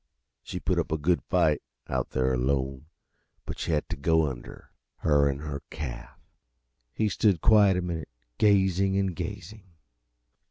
She put up a good fight, out there alone, but she had t' go under her an' her calf." He stood quiet a minute, gazing and gazing.